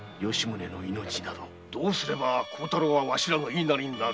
どうすれば孝太郎はわしらの言いなりになる？